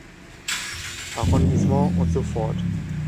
Arrondissement und so fort.